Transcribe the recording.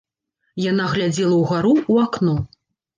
Яна глядзела ўгару, у акно.